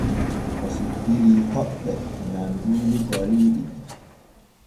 Oo sippira hoɓɓe nyamduuli koriiɗi.